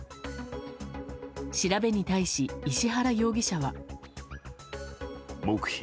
調べに対し、石原容疑者は。